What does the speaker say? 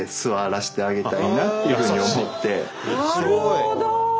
なるほど！